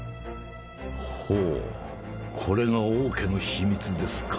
ほうこれが王家の秘密ですか。